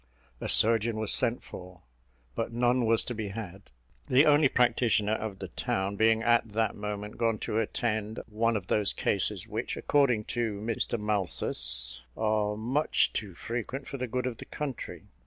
A surgeon was sent for, but none was to be had; the only practitioner of the town being at that moment gone to attend one of those cases which, according to Mr Malthus, are much too frequent for the good of the country.